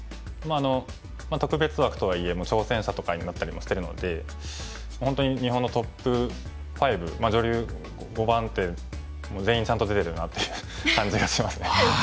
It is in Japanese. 特別枠とはいえ挑戦者とかになったりもしてるので本当に日本のトップ５女流５番手全員ちゃんと出てるなっていう感じがしますね。